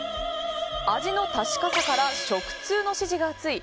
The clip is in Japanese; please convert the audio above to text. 味の確かさから食通の支持が厚い